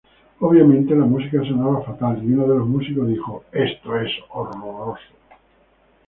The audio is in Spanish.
Obviamente, la música sonaba fatal y uno de los músicos dijo: ""Esto es horroroso.